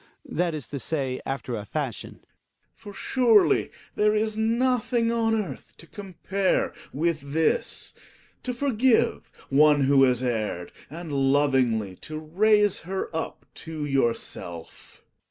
That is to say, after a fashion. Gregers. For surely there is nothing on earth to compare with this, to forgive one who has erred, and lovingly to raise her up to yourself.